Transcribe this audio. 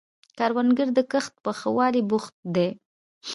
کروندګر د کښت په ښه والي بوخت دی